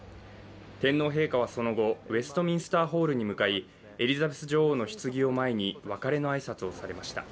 天皇陛下はその後、ウェストミンスターホールに向かいエリザベス女王のひつぎを前に別れの挨拶をされました。